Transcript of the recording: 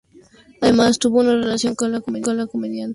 Además, tuvo una relación con la comediante Sarah Silverman.